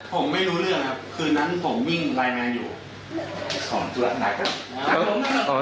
ผมไม่รู้เรื่องครับคืนนั้นผมวิ่งไลน์แมนอยู่